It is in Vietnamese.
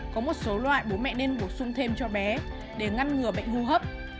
có một số loại bố mẹ nên bổ sung thêm cho bé để ngăn ngừa bệnh hô hấp